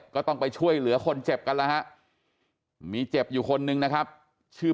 ก็ต้องไปช่วยเหลือคนเจ็บกันแล้วฮะมีเจ็บอยู่คนนึงนะครับชื่อ